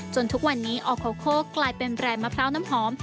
ทุกวันนี้ออโคโคกลายเป็นแรงมะพร้าวน้ำหอม